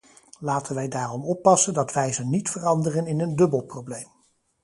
Laten wij daarom oppassen dat wij ze niet veranderen in een dubbel probleem.